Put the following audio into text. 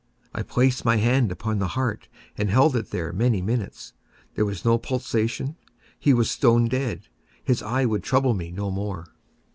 I placed my hand upon the heart and held it there many minutes. There was no pulsation. He was stone dead. His eye would trouble me no more.